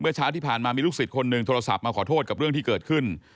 เช้าที่ผ่านมามีลูกศิษย์คนหนึ่งโทรศัพท์มาขอโทษกับเรื่องที่เกิดขึ้น